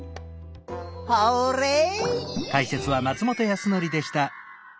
ホーレイ！